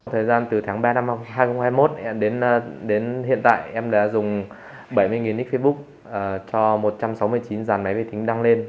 thời gian từ tháng ba năm hai nghìn hai mươi một đến hiện tại em đã dùng bảy mươi nix facebook cho một trăm sáu mươi chín giàn máy vi tính đăng lên